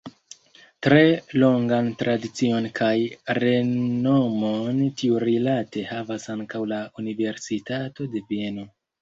Tre longan tradicion kaj renomon tiurilate havas ankaŭ la Universitato de Vieno.